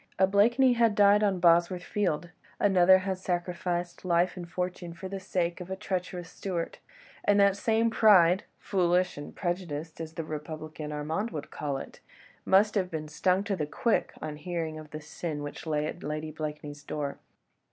A Blakeney had died on Bosworth Field, another had sacrificed life and fortune for the sake of a treacherous Stuart: and that same pride—foolish and prejudiced as the republican Armand would call it—must have been stung to the quick on hearing of the sin which lay at Lady Blakeney's door.